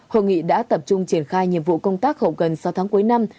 hội nghị đã tập trung triển khai nhiệm vụ công tác hậu cần sáu tháng cuối năm